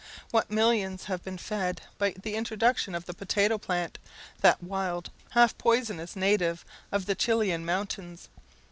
What millions have been fed by the introduction of the potato plant that wild, half poisonous native of the Chilian mountains!